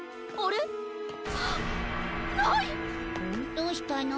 どうしたの？